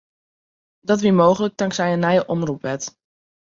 Dat wie mooglik tanksij in nije omropwet.